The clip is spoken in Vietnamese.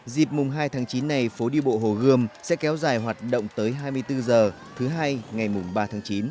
dịp mùng hai tháng chín này phố đi bộ hồ gươm sẽ kéo dài hoạt động tới hai mươi bốn h thứ hai ngày mùng ba tháng chín